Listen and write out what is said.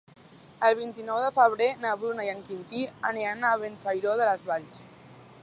El vint-i-nou de febrer na Bruna i en Quintí aniran a Benifairó de les Valls.